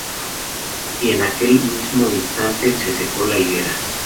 Y en aquel mismo instante se secó la higuera.